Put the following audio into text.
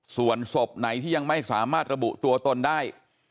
ส่วนศพไหนที่ยังไม่สามารถระบุตัวตนได้